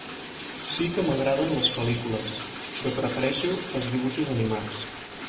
Sí que m'agraden les pel·lícules, però prefereixo els dibuixos animats.